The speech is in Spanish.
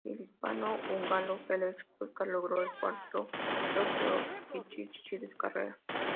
El hispano-húngaro Ferenc Puskás logró el cuarto Trofeo Pichichi de su carrera.